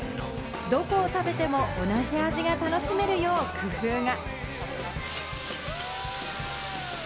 どこを食べても同じ味が楽しめるよう工夫が。